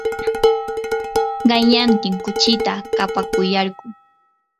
qanyantin kuchita kapakuyarquu.